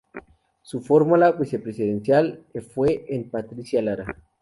Su fórmula vicepresidencial fue Patricia Lara.